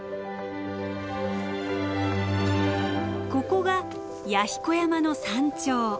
ここが弥彦山の山頂。